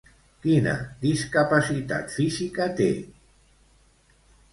Quina discapacitat física té?